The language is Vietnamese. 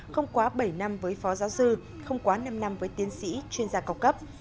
không quá bảy năm với phó giáo sư không quá năm năm với tiến sĩ chuyên gia cao cấp